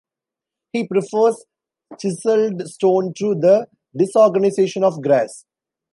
He prefers chiselled stone to the disorganization of grass.